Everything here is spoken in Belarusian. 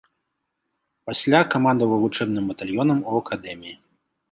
Пасля камандаваў вучэбным батальёнам у акадэміі.